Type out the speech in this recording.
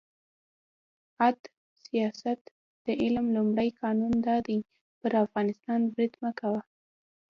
«عد سیاست د علم لومړی قانون دا دی: پر افغانستان برید مه کوه.